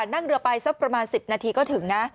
นั่งเรือไปสักประมาณ๑๐นาทีก็ถึงนะ